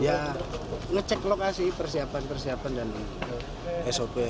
ya ngecek lokasi persiapan persiapan dan sop